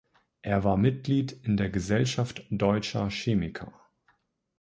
Er war Mitglied in der Gesellschaft Deutscher Chemiker.